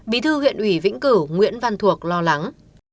bí thư huyện ủy vĩnh cửu nguyễn văn thuộc lo lắng